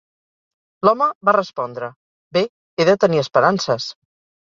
L'home va respondre "Bé, he de tenir esperances".